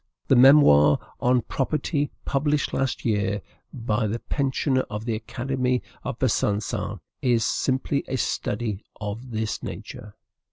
The memoir on "Property," published last year by the pensioner of the Academy of Besancon, is simply a study of this nature.